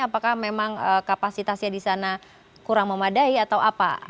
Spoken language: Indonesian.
apakah memang kapasitasnya di sana kurang memadai atau apa